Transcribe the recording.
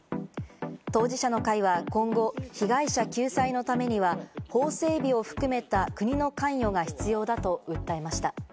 当事者の会は、今後、被害者救済のためには法整備を含めた国の関与が必要だと訴えました。